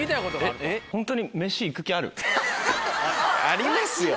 ありますよ。